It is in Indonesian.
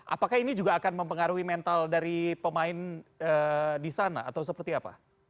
apakah ini juga akan mempengaruhi mental dari pemain di sana atau seperti apa